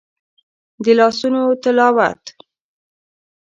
د لاسونو تلاوت